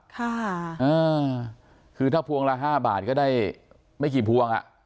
ค่ะเออคือถ้าพวงละห้าบาทก็ได้ไม่กี่พวงอ่ะ